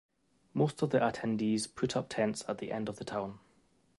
Most of the attendees put up tents at the end of the town.